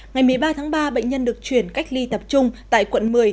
ngày một mươi ba tháng ba bệnh nhân được chuyển cách ly tập trung tại quận một mươi